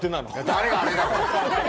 誰があれだよ！